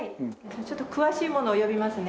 ちょっと詳しい者を呼びますね。